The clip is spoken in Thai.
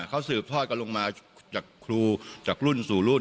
เขาสืบทอดกันลงมาจากครูจากรุ่นสู่รุ่น